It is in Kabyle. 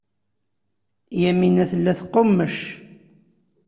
Yamina tella teqqummec.